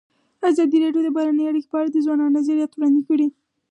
ازادي راډیو د بهرنۍ اړیکې په اړه د ځوانانو نظریات وړاندې کړي.